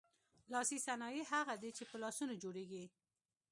لاسي صنایع هغه دي چې په لاسونو جوړیږي.